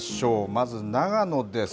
まず長野です。